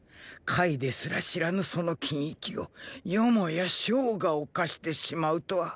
ですら知らぬその禁域をよもや象が冒してしまうとは。